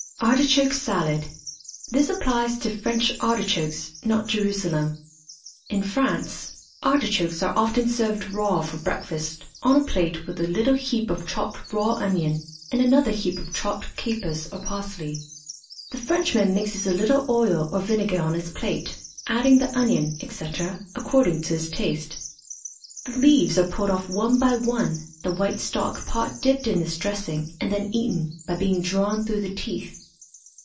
ARTICHOKE SALAD. This applies to French artichokes, not Jerusalem. In France, artichokes are often served raw for breakfast, on a plate, with a little heap of chopped raw onion and another heap of chopped capers or parsley. The Frenchman mixes a little oil or vinegar on his plate, adding the onion, &c., according to his taste. The leaves are pulled off one by one, the white stalk part dipped in this dressing, and then eaten, by being drawn through the teeth.